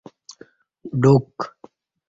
ڈوک